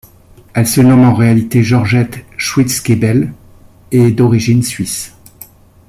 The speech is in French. Elle se nomme en réalité Georgette Schwitzgebel et est d'origine suisse.